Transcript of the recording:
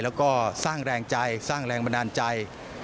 แล้วก็สร้างแรงใจสร้างแรงบันดาลใจ